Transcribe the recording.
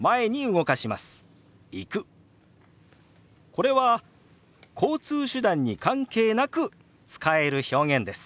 これは交通手段に関係なく使える表現です。